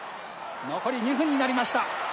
残り２分になりました。